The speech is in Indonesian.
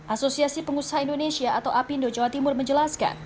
asosiasi pengusaha indonesia atau apindo jawa timur menjelaskan